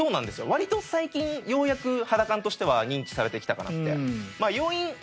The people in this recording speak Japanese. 割と最近ようやく肌感としては認知されてきたかなって。